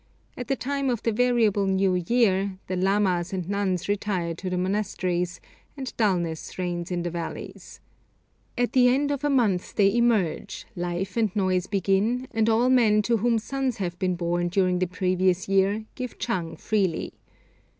At the time of the variable new year, the lamas and nuns retire to the monasteries, and dulness reigns in the valleys. At the end of a month they emerge, life and noise begin, and all men to whom sons have been born during the previous year give chang freely.